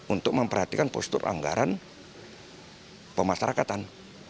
untuk memperhatikan postur anggaran pemasarakatan